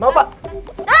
pak pak pak lari